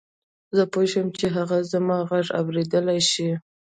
زه پوه شوم چې هغه زما غږ اورېدلای شي.